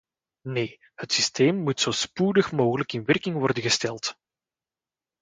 Nee - het systeem moet zo spoedig mogelijk in werking worden gesteld.